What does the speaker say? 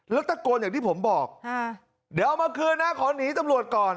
แล้วตะโกนอย่างที่ผมบอกเดี๋ยวเอามาคืนนะขอหนีตำรวจก่อน